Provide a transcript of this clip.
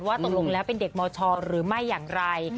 ตกลงแล้วเป็นเด็กมชหรือไม่อย่างไร